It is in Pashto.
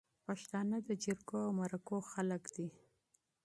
پښتانه د جرګو او مرکو خلک دي